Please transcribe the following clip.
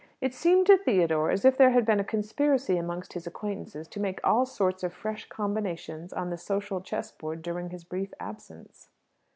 It seemed to Theodore as if there had been a conspiracy amongst his acquaintance to make all sorts of fresh combinations on the social chess board during his brief absence.